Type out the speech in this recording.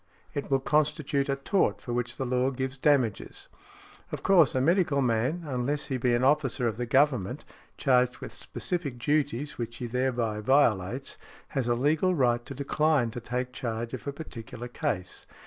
It will constitute a tort for which the law gives damages . Of course a medical man, unless he be an officer of the Government, charged with specific duties which he thereby violates, has a legal right to decline to take charge of a particular case.